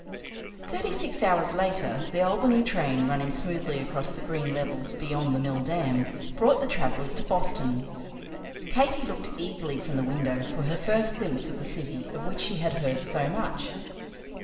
Thirty six hours later the Albany train, running smoothly across the green levels beyond the Mill Dam, brought the travellers to Boston. Katy looked eagerly from the window for her first glimpse of the city of which she had heard so much.